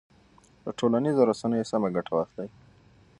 له ټولنیزو رسنیو سمه ګټه واخلئ.